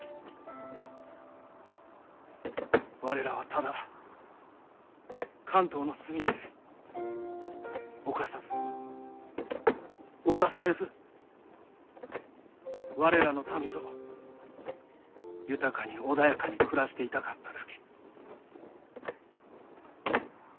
我らはただ関東の隅で侵さず侵されず我らの民と豊かに穏やかに暮らしていたかっただけ。